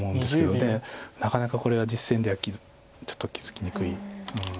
なかなかこれは実戦ではちょっと気付きにくい。